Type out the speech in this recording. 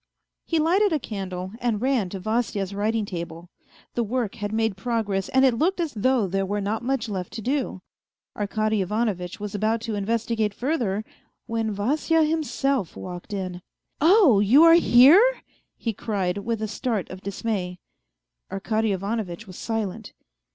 He lighted a candle, and ran to Vasya's writing table : the work had made progress and it looked as though there were not much left to do. Arkady Ivanovitch was about to investigate further, when Vasya himself walked in. ... "Oh, you are here ?" he cried, with a start of dismay. Arkady Ivanovitch was silent.